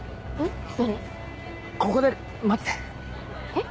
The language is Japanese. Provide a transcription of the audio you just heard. えっ？